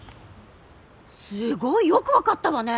すごいよく分かったわね！